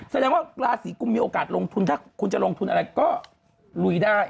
แสดงว่าราศีกุมมีโอกาสลงทุนถ้าคุณจะลงทุนอะไรก็ลุยได้